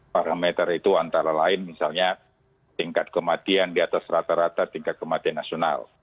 parameter itu antara lain misalnya tingkat kematian di atas rata rata tingkat kematian nasional